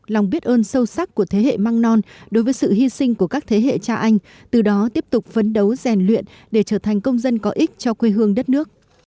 lòng biết ơn sâu sắc của thế hệ măng non đối với sự hy sinh của các thế hệ cha anh từ đó tiếp tục phấn đấu rèn luyện để trở thành công dân có ích cho quê hương đất nước